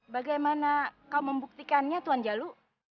bagaimana kau membuktikannya tuan jalu